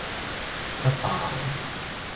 一塊